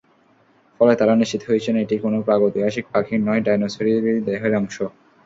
ফলে তাঁরা নিশ্চিত হয়েছেন এটি কোনো প্রাগৈতিহাসিক পাখির নয়, ডাইনোসরেরই দেহের অংশ।